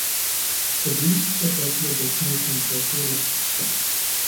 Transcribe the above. The beach is a popular destination for tourists.